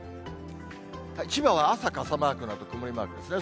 千葉は朝傘マークのあと曇りマークですね。